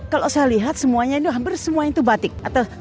kalau saya lihat semuanya ini hampir semua itu batik